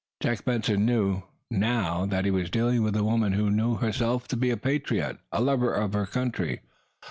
Jack Benson knew, now, that he was dealing with a woman who knew herself to be a patriot a lover of her country.